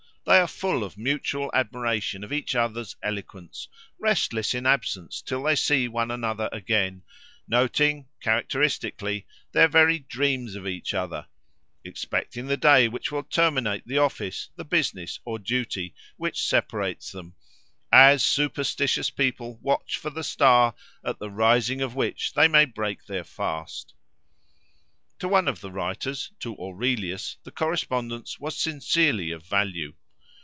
They are full of mutual admiration of each other's eloquence, restless in absence till they see one another again, noting, characteristically, their very dreams of each other, expecting the day which will terminate the office, the business or duty, which separates them—"as superstitious people watch for the star, at the rising of which they may break their fast." To one of the writers, to Aurelius, the correspondence was sincerely of value.